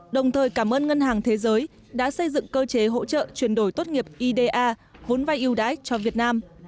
đồng thời cảm ơn ngân hàng thế giới đã xây dựng cơ chế hỗ trợ chuyển đổi tốt nghiệp ida vốn vai ưu đãi cho việt nam